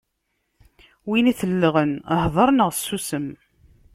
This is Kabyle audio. Win itellɣen, hdeṛ neɣ ssusem.